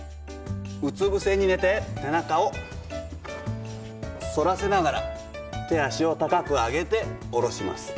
うつ伏せに寝て背中を反らせながら手足を高く上げて下ろします。